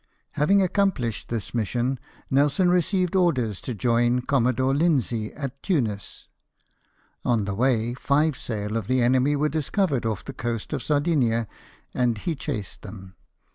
Having accomplished this mission, Nelson received orders to join Commodore Linzee at Tunis. On the way five sail of the enemy were discovered off the coast of Sardinia, and he chased them.